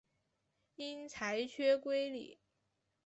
因裁缺归里。